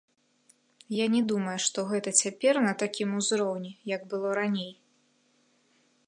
Я не думаю, што гэта цяпер на такім узроўні, як было раней.